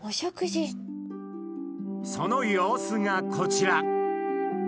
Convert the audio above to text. その様子がこちら！